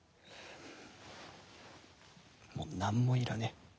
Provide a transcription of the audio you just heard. もう何もいらねぇ。